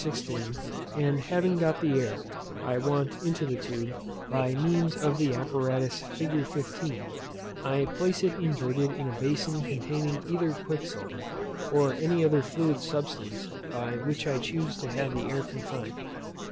16; and having got the air I want into the tube by means of the apparatus fig. 15, I place it inverted in a bason containing either quicksilver, or any other fluid substance by which I chuse to have the air confined.